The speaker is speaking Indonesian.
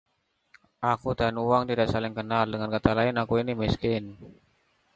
Aku dan uang tidak saling kenal. Dengan kata lain, aku ini miskin.